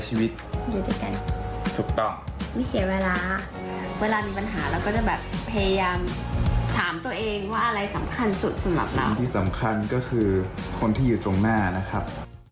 สิ่งที่สำคัญก็คือคนที่อยู่ตรงหน้านะครับ